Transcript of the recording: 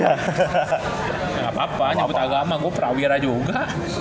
ya gapapa nyambut agama gua prawira juga